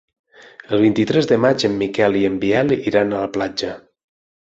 El vint-i-tres de maig en Miquel i en Biel iran a la platja.